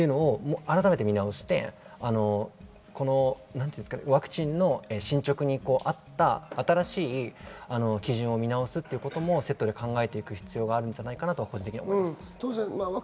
見直してワクチンの進捗にあった新しい基準を見直すということもセットで考えていく必要があるんじゃないかなと思います。